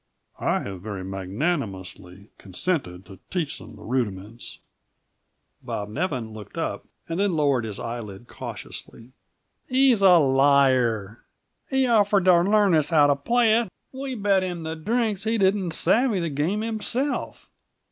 I have very magnanimously consented to teach them the rudiments." Bob Nevin looked up, and then lowered an eyelid cautiously. "He's a liar. He offered to learn us how to play it; we bet him the drinks he didn't savvy the game himself.